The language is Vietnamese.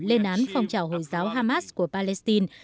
lên án phong trào hồi giáo hamas của palestine